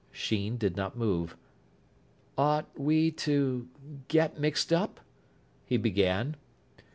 Sheen did not move. "Ought we...to get...mixed up...?" he began.